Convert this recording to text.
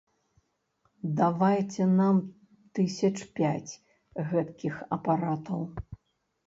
Давайце нам тысяч пяць гэткіх апаратаў.